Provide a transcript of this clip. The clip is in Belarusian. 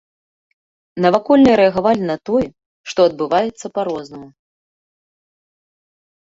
Навакольныя рэагавалі на тое, што адбываецца, па-рознаму.